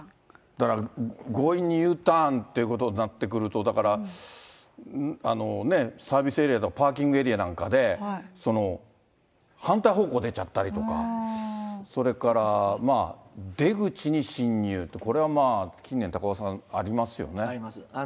だから強引にＵターンってことになってくると、だから、ねぇ、サービスエリアやパーキングエリアなんかで、反対方向出ちゃったりとか、それから出口に進入って、これはまあ、近年、高岡さん、ありますあります。